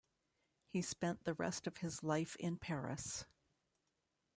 He spent the rest of his life in Paris.